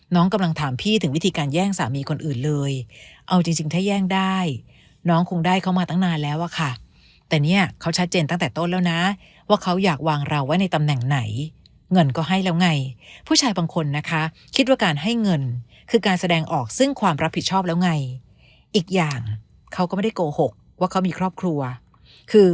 กำลังถามพี่ถึงวิธีการแย่งสามีคนอื่นเลยเอาจริงจริงถ้าแย่งได้น้องคงได้เขามาตั้งนานแล้วอะค่ะแต่เนี่ยเขาชัดเจนตั้งแต่ต้นแล้วนะว่าเขาอยากวางเราไว้ในตำแหน่งไหนเงินก็ให้แล้วไงผู้ชายบางคนนะคะคิดว่าการให้เงินคือการแสดงออกซึ่งความรับผิดชอบแล้วไงอีกอย่างเขาก็ไม่ได้โกหกว่าเขามีครอบครัวคือ